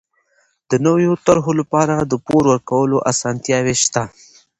د نويو طرحو لپاره د پور ورکولو اسانتیاوې شته.